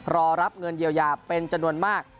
รอรับเงินเยียวยาเป็นจำนวนมาก